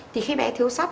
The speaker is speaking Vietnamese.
thì khi bé thiếu sắt